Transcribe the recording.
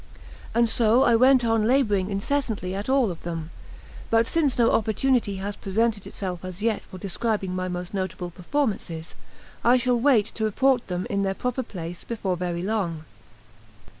And so I went on labouring incessantly at all of them; but since no opportunity has presented itself as yet for describing my most notable performances, I shall wait to report them in their proper place before very long.